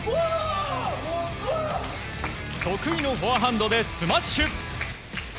得意のフォアハンドでスマッシュ。